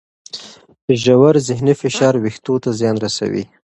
ژور ذهني فشار وېښتو ته زیان رسوي.